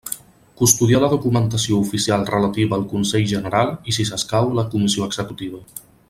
Custodiar la documentació oficial relativa al Consell General i, si escau, la Comissió Executiva.